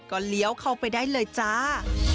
ก็เลี้ยวเข้าไปได้เลยจ้า